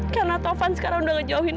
karena tovan sekarang udah ngejauhinya